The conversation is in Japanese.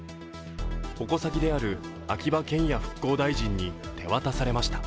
矛先である秋葉賢也復興大臣に手渡されました。